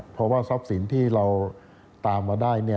เพราะว่าทรัพย์สินที่เราตามมาได้